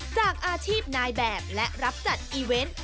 จากอาชีพนายแบบและรับจัดอีเวนต์